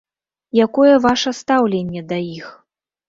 Якое ваша стаўленне да іх?